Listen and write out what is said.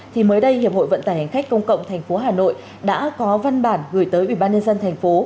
thì mới đây hiệp hội vận tải hành khách công cộng tp hà nội đã có văn bản gửi tới ubnd tp